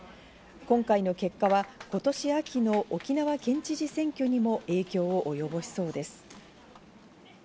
今回の結果は今年秋の沖縄県知事選挙にも影響をおよぼしそうです。